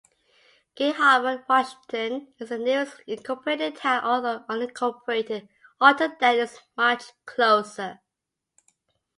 Gig Harbor, Washington is the nearest incorporated town, although unincorporated Artondale is much closer.